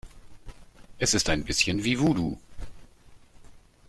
Es ist ein bisschen wie Voodoo.